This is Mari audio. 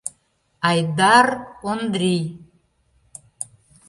Айдар Ондрий.